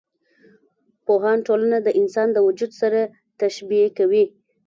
پوهان ټولنه د انسان د وجود سره تشبي کوي.